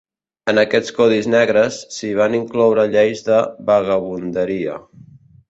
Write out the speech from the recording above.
En aquests Codis Negres s'hi van incloure lleis de vagabunderia.